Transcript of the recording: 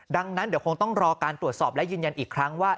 ดังนั้นเดี๋ยวคงต้องรอการตรวจสอบและยืนยันอีกครั้งว่า